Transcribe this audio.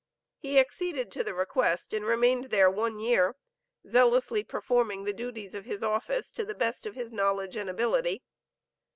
He acceded to the request and remained there one year, zealously performing the duties of his office to the best of his knowledge and ability.